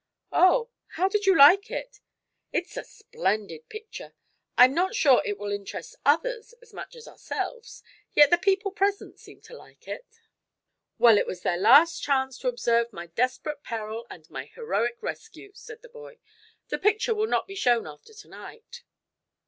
"Oh. How did you like it?" "It's a splendid picture. I'm not sure it will interest others as much as ourselves, yet the people present seemed to like it." "Well it was their last chance to observe my desperate peril and my heroic rescue," said the boy. "The picture will not be shown after to night."